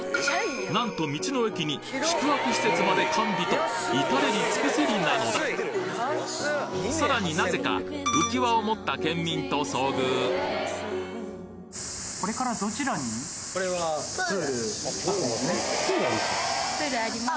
なんと道の駅に宿泊施設まで完備と至れり尽くせりなのださらに何故か浮き輪を持った県民と遭遇そうなんですか。